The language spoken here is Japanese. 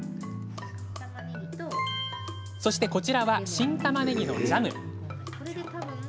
そしてこちらは新たまねぎのジャム。